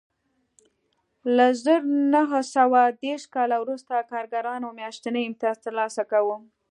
له زر نه سوه دېرش کال وروسته کارګرانو میاشتنی امتیاز ترلاسه کاوه